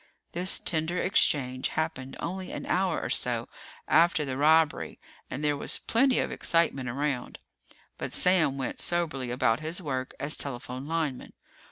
This tender exchange happened only an hour or so after the robbery and there was plenty of excitement around. But Sam went soberly about his work as telephone lineman.